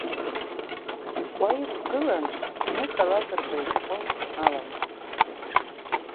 Уа иқәгылан Миха Лакрба ишәҟәы Аламыс.